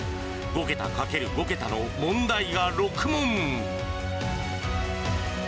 ５桁かける５桁の問題が６問。